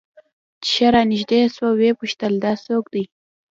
چې ښه رانژدې سوه ويې پوښتل دا څوک دى.